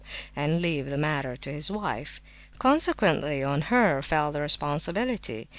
and leave the matter to his wife. Consequently, on her fell the responsibility.